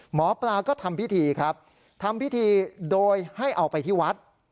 หมอปลาก็ทำพิธีครับทำพิธีโดยให้เอาไปที่วัด